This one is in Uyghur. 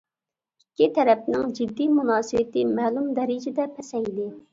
ئىككى تەرەپنىڭ جىددىي مۇناسىۋىتى مەلۇم دەرىجىدە پەسەيدى.